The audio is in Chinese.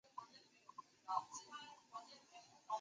最后一根稻草则是在巴登设置了一位天主教地方行政官。